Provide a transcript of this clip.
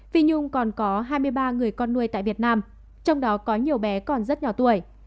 phi nhung còn có hai mươi ba người con nuôi tại việt nam trong đó có nhiều bé còn rất nhỏ tuổi